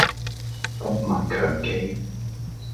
博聞強記